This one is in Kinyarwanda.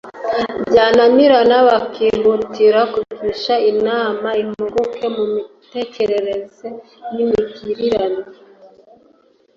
byananirana bakihutira kugisha inama impuguke mu by’imitekerereze n’imigirire